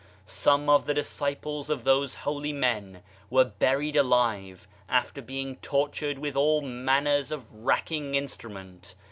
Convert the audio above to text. Some of the disciples of those holy men were buried alive, after being tortured with all manners of racking instrument.